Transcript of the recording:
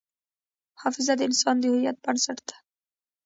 حافظه د انسان د هویت بنسټ ده.